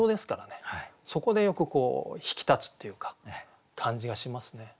そこでよく引き立つっていうか感じがしますね。